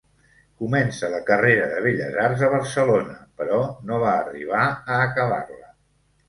Comença la carrera de Belles Arts a Barcelona però no va arribar a acabar-la.